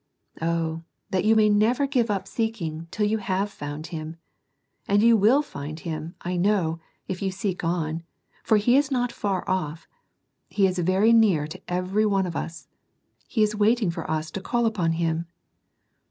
Oh, that you may never give up seeking till you have found Him ! and you will find Him, I know, if you seek on, for He is not far off. He is very near every one of us, He is waiting for us to call upon Him.